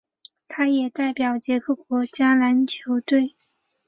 他也代表捷克国家足球队参赛。